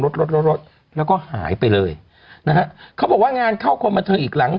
ลดแล้วก็หายไปเลยเขาบอกว่างานเข้าความบันเทิงอีกหลัง